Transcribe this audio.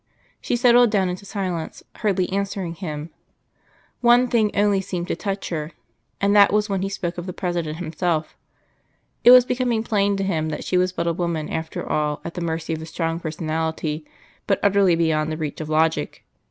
She settled down into silence, hardly answering him. One thing only seemed to touch her, and that was when he spoke of the President himself. It was becoming plain to him that she was but a woman after all at the mercy of a strong personality, but utterly beyond the reach of logic.